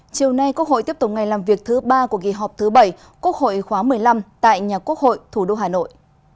chiều nay quốc hội tiếp tục ngày làm việc thứ ba của kỳ họp thứ bảy quốc hội khóa một mươi năm tại nhà quốc hội thủ đô hà nội